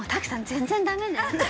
全然ダメね